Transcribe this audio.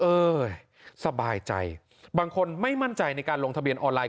เอ้ยสบายใจบางคนไม่มั่นใจในการลงทะเบียนออนไลน